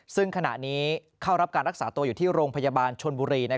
ซึ่งขณะนี้เข้ารับการรักษาตัวอยู่ที่โรงพยาบาลชนบุรี